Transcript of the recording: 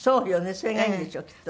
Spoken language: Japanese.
それがいいんでしょうきっとね。